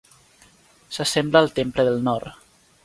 S'assembla al Temple del Nord.